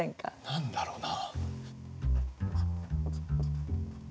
何だろうな。